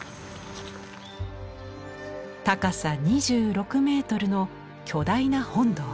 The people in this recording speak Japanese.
高さ２６メートルの巨大な本堂。